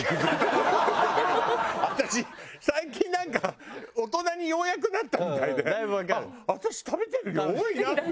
私最近なんか大人にようやくなったみたいであっ私食べてる量多いなって。